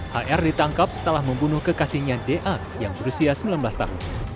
hr ditangkap setelah membunuh kekasihnya da yang berusia sembilan belas tahun